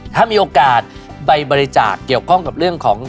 ถ้ามีโอกาสไปบริจาคเกี่ยวข้องกับเรื่องของ